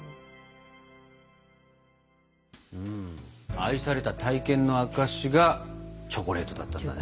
「愛された体験の証し」がチョコレートだったんだね。